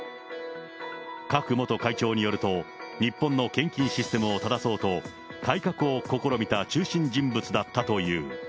クァク元会長によると、日本の献金システムを正そうと、改革を試みた中心人物だったという。